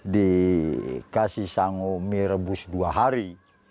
di kasih sangu mie rebus dua hari